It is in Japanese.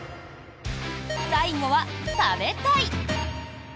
最後は「食べたい」！